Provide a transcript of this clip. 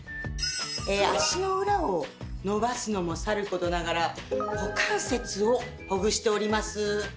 足の裏を伸ばすのもさることながら股関節をほぐしております。